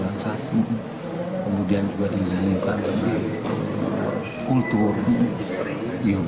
dan kekurangan pemain pemain indonesia